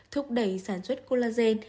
thúc đẩy sản xuất collagen